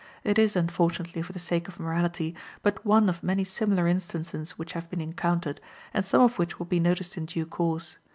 It is, unfortunately for the sake of morality, but one of many similar instances which have been encountered, and some of which will be noticed in due course.